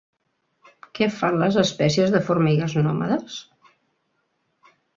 Què fan les espècies de formigues nòmades?